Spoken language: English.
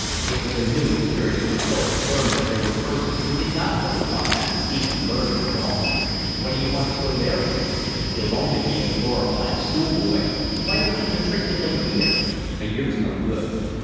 It was a new experience for Philip to learn that there were persons who did not look upon that seat of learning with awe. "What d'you want to go there for? You'll only be a glorified schoolboy. Why don't you matriculate here? A year's no good.